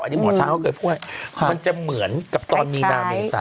อันนี้หมอช้างเขาเคยพูดมันจะเหมือนกับตอนมีนาเมษา